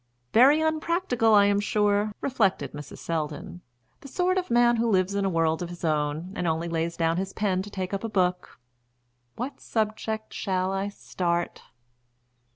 "Very unpractical, I am sure," reflected Mrs. Selldon. "The sort of man who lives in a world of his own, and only lays down his pen to take up a book. What subject shall I start?"